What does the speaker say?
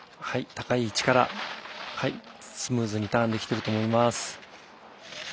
高い位置からスムーズにターンできていると思います。